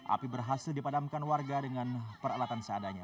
api berhasil dipadamkan warga dengan peralatan seadanya